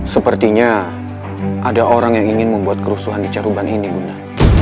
sepertinya ada orang yang ingin membuat kerusuhan di caruban ini bunda